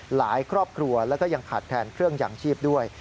หลายครอบครัวแล้วก็ยังขาดแผนเครื่องยังชีพด้วย